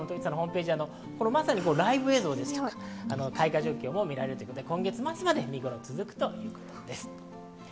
ライブ映像で開花状況も見られるということで、今月末頃まで見頃を迎えているということです。